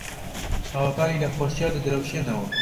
چاوەکانی لە خۆشییان دەدرەوشێنەوە.